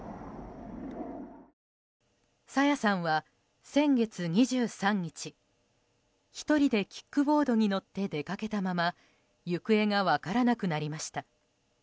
朝芽さんは先月２３日１人でキックボードに乗って出かけたまま行方が分からなくなりました。